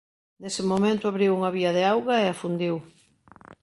Nese momento abriu unha vía de auga e afundiu.